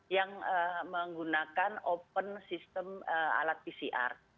yang menggunakan open system alat pcr